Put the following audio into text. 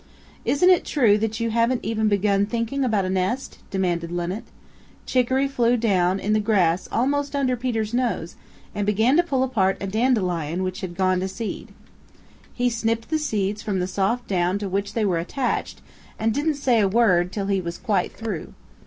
"Isn't it true that you haven't even begun thinking about a nest?" demanded Linnet. Chicoree flew down in the grass almost under Peter's nose and began to pull apart a dandelion which had gone to seed. He snipped the seeds from the soft down to which they were attached and didn't say a word till he was quite through.